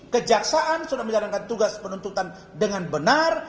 kejaksaan sudah menjalankan tugas penuntutan dengan benar